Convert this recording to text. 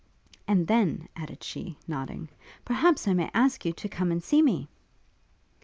'And then,' added she, nodding, 'perhaps I may ask you to come and see me!'